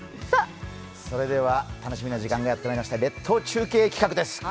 それでは楽しみな時間がやってきました列島中継企画です。